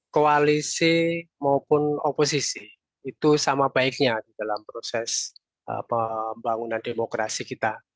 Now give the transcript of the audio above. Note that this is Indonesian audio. koalisi maupun oposisi itu sama baiknya di dalam proses pembangunan demokrasi kita